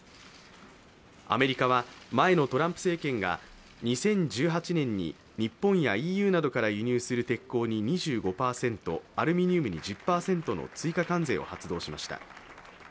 アメリカは前のトランプ政権が２０１８年に日本やＥＵなどから輸入する鉄鋼に２５％アルミニウムに１０％の追加関税を発動しました。